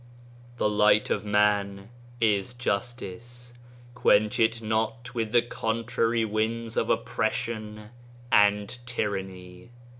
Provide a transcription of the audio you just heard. The light of man is justice, quench it not with the contrary winds of oppression and tyranny."